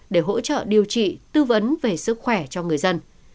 để hỗ trợ điều trị tư vấn về sức khỏe cho người dân